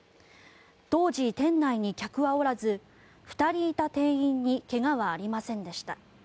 当時、店内に客はおらず２人いた店員に怪我はありませんでした。